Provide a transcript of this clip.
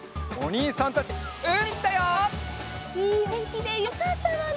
いいおてんきでよかったわね。